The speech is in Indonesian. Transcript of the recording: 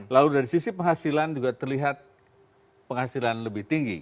lalu dari sisi penghasilan juga terlihat penghasilan lebih tinggi